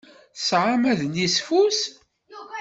Tesɛam adlisfus?